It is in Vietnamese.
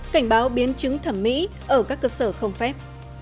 cảnh báo biến chứng thẩm mỹ ở các cơ sở không phép